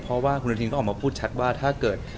เพราะว่าคุณอนุทินก็ออกมาพูดชัดว่าถ้าเกิด